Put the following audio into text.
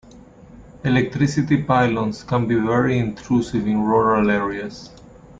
Electricity pylons can be very intrusive in rural areas